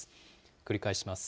繰り返します。